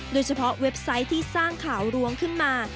โดยเฉพาะเว็บไซต์ที่สร้างข่าวรวงขึ้นมา